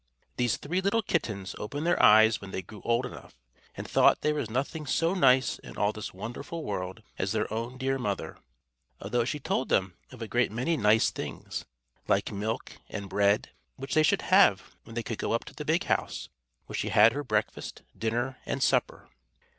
These three little kittens opened their eyes when they grew old enough, and thought there was nothing so nice in all this wonderful world as their own dear mother, although she told them of a great many nice things, like milk and bread, which they should have when they could go up to the big house where she had her breakfast, dinner, and supper.